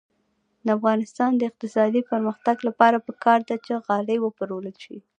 د افغانستان د اقتصادي پرمختګ لپاره پکار ده چې غالۍ وپلورل شي.